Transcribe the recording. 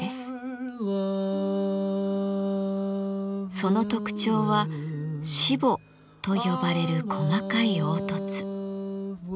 その特徴はしぼと呼ばれる細かい凹凸。